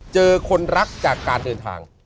เจอคนรักจากการเดินทาง